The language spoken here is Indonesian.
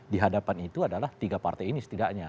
di hadapan itu adalah tiga partai ini setidaknya